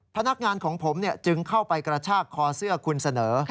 พนักงานของผมจึงเข้าไปกระชากคอเสื้อคุณเสนอ